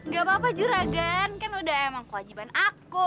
gak apa apa juragan kan udah emang kewajiban aku